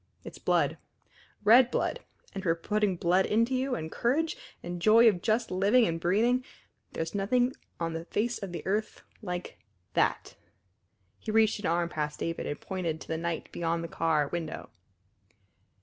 It's blood red blood. And for putting blood into you, and courage, and joy of just living and breathing, there's nothing on the face of the earth like that!" He reached an arm past David and pointed to the night beyond the car window.